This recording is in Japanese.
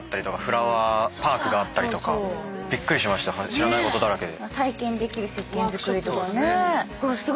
知らないことだらけで。